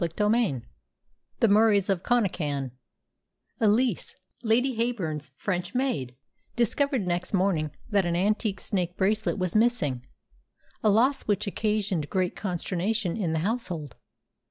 CHAPTER V THE MURIES OF CONNACHAN Elise, Lady Heyburn's French maid, discovered next morning that an antique snake bracelet was missing, a loss which occasioned great consternation in the household.